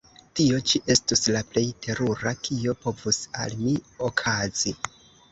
tio ĉi estus la plej terura, kio povus al mi okazi.